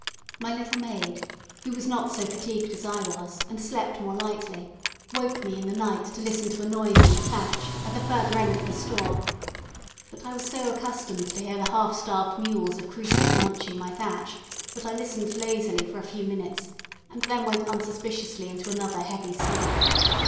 My little maid, who was not so fatigued as I was, and slept more lightly, woke me in the night to listen to a noise in the thatch, at the further end of the store; but I was so accustomed to hear the half starved mules of Cruces munching my thatch, that I listened lazily for a few minutes, and then went unsuspiciously into another heavy sleep.